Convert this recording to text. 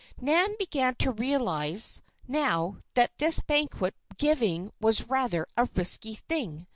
Nan began to realize now that this banquet giving was rather a risky thing.